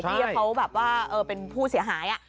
ที่เขาแบบว่าเป็นผู้เสียหาย